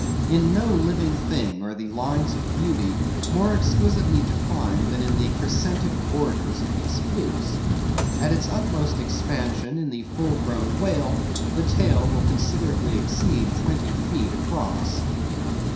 In no living thing are the lines of beauty more exquisitely defined than in the crescentic borders of these flukes. At its utmost expansion in the full grown whale, the tail will considerably exceed twenty feet across.